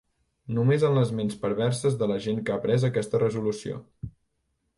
Només en les ments perverses de la gent que ha pres aquesta resolució.